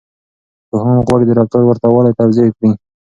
پوهان غواړي د رفتار ورته والی توضيح کړي.